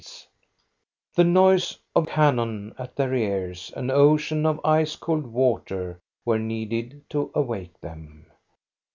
THE OLD VEHICLES 11/ The noise of cannon at their ears, an ocean of ice cold water were needed to awake them.